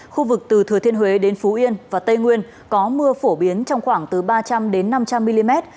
khu vực từ thừa thiên huế đến phú yên và tây nguyên có mưa phổ biến trong khoảng từ ba trăm linh năm trăm linh mm